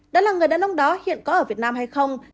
đó là người đàn ông đó hiện có ở việt nam hay không